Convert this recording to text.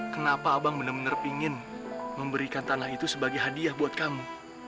kenapa abang benar benar ingin memberikan tanah itu sebagai hadiah buat kamu